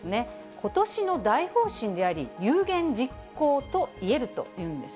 ことしの大方針であり、有言実行と言えるというんです。